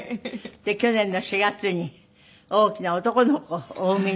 去年の４月に大きな男の子をお産みになりました。